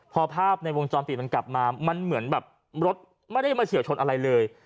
พอภาพในวงจรปิดมันกลับมามันเหมือนแบบรถไม่ได้มาเฉียวชนอะไรเลย